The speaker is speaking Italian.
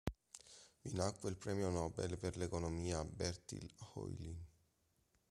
Vi nacque il premio nobel per l'economia Bertil Ohlin.